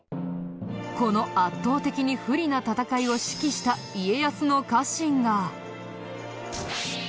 この圧倒的に不利な戦いを指揮した家康の家臣が。